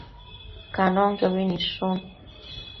Canonquiobi nidshun